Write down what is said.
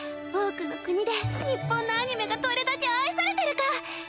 多くの国で日本のアニメがどれだけ愛されてるか。